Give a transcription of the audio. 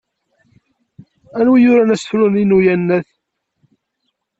Anwa i yuran asefru-nni n uyennat?